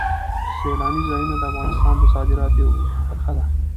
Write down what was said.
سیلانی ځایونه د افغانستان د صادراتو برخه ده.